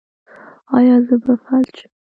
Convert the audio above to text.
ایا زه به فلج شم؟